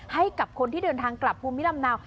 ให้กับคนที่เดินทางกลับภูมิลำเนา